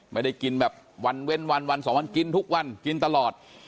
ไม่ได้กินแบบวันเว้นวันวันสองวันกินทุกวันกินตลอด